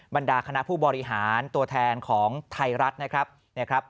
บรรดาคณะผู้บริหารตัวแทนของไทยรัฐนะครับ